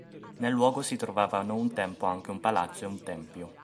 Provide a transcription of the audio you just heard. Nel luogo si trovavano un tempo anche un palazzo e un tempio.